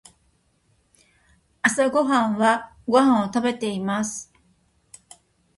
朝ごはんはご飯を食べています。